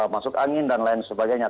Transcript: masuk angin dan lain sebagainya